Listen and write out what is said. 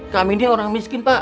kami dia orang miskin pak